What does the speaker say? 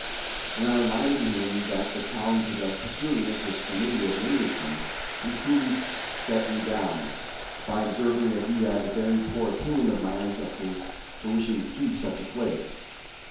When I reminded him that the town possessed peculiar interest for me as an Englishman, he coolly set me down, by observing that he had a very poor opinion of my ancestors for wishing to keep such a place.